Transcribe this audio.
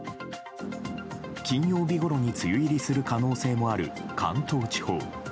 金曜日ごろに梅雨入りする可能性もある関東地方。